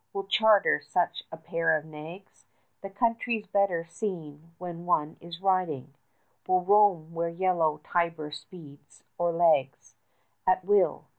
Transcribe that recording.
We'll charter such a pair of nags! The country's better seen when one is riding: 50 We'll roam where yellow Tiber speeds or lags At will.